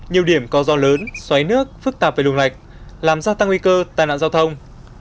nhiều điểm có do lớn xoáy nước phức tạp về lùng lạch làm gia tăng nguy cơ tai nạn giao thông